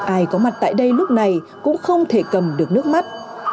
ai có mặt tại đây lúc này cũng không thể cầm được nước mắt